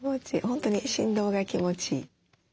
本当に振動が気持ちいい。